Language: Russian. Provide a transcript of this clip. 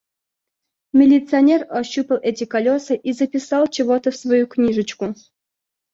Милиционер ощупал эти колёса и записал чего-то в свою книжечку.